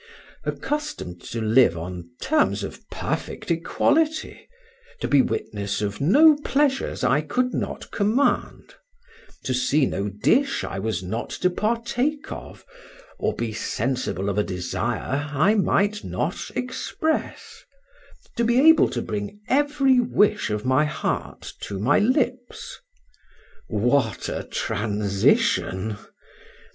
Accustomed to live on terms of perfect equality, to be witness of no pleasures I could not command, to see no dish I was not to partake of, or be sensible of a desire I might not express; to be able to bring every wish of my heart to my lips what a transition!